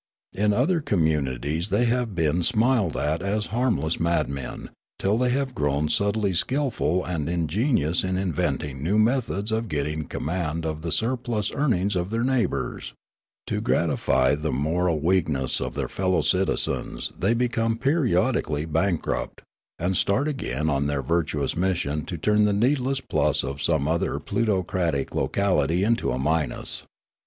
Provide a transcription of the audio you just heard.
In other communities they have been smiled at as harm less madmen till they have grown subtly skilful and ingenious in inventing new methods of getting com mand of the surplus earnings of their neighbours ; to gratif}^ the moral weakness of their fellow citizens they become periodically bankrupt, and start again on their virtuous mission to turn the needless plus of some other plutocratic locality into a minus.